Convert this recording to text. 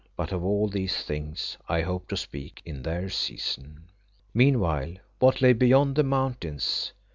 But of all these things I hope to speak in their season. Meanwhile what lay beyond the mountains?